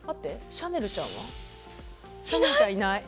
シャネルちゃんいない。